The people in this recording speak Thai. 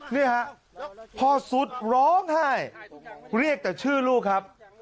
นี่ฮะพ่อสุดร้องไห้เรียกแต่ชื่อลูกครับ